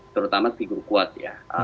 terutama figur kuat ya